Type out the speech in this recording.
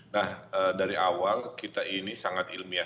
nah dari awal kita ini sangat ilmiah